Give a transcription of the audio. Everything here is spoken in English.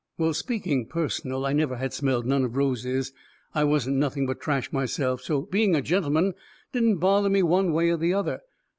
Well, speaking personal, I never had smelled none of roses. I wasn't nothing but trash myself, so being a gentleman didn't bother me one way or the other.